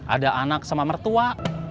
ada anak sama mertua